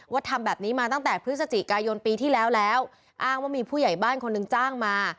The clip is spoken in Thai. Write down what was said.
ทำแบบนี้มาตั้งแต่พฤศจิกายนปีที่แล้วแล้วอ้างว่ามีผู้ใหญ่บ้านคนหนึ่งจ้างมา